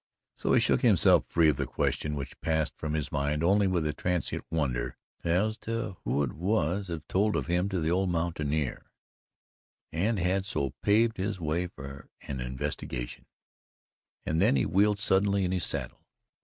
So he shook himself free of the question, which passed from his mind only with a transient wonder as to who it was that had told of him to the old mountaineer, and had so paved his way for an investigation and then he wheeled suddenly in his saddle.